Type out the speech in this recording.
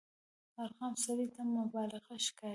ارقام سړي ته مبالغه ښکاري.